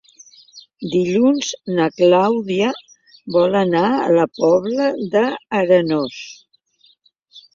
Dilluns na Clàudia vol anar a la Pobla d'Arenós.